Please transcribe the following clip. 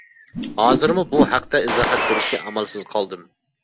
ھازىرمۇ بۇ ھەقتە ئىزاھات بېرىشكە ئامالسىز قالدىم.